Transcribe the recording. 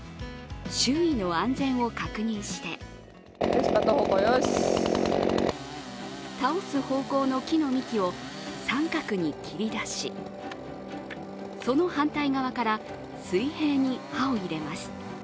周囲の安全を確認して倒す方向の木の幹を三角に切り出し、その反対側から水平に刃を入れます。